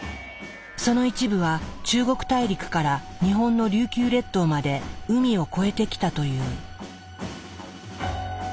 その一部は中国大陸から日本の琉球列島まで海を越えてきたという。